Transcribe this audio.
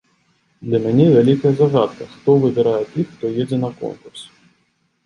Для мяне вялікая загадка, хто выбірае тых, хто едзе на конкурс.